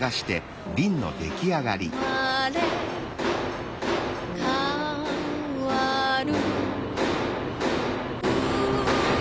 「うまれかわる」